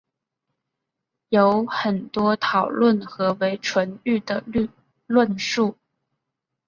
有很多讨论何为纯育的论述。